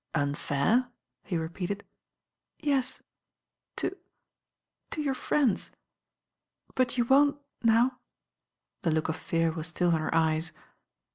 ••Unfair?" he repeated. ••Yes, to — to your friends; but you won*t now?* The look of fear was still in her eyes.